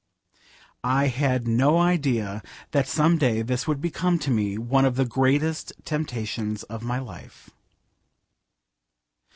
I had no idea that some day this would become to me one of the greatest temptations of my life.